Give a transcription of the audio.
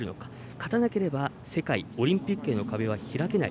勝たなければ世界オリンピックへの壁は開けない。